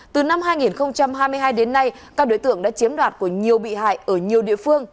từ năm hai nghìn hai mươi hai đến nay các đối tượng đã chiếm đoạt của nhiều bị hại ở nhiều địa phương